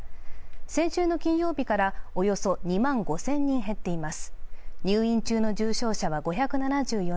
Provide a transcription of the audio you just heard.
先週の金曜日からおよそ２万５０００人減っています。